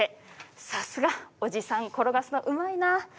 さすが、おじさんを転がすのうまいなあ。